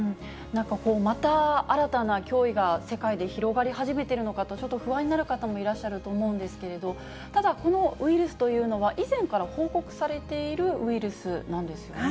また新たな脅威が世界で広がり始めてるのかと、ちょっと不安になる方もいらっしゃると思うんですけれども、ただこのウイルスというのは、以前から報告されているウイルスなんですよね？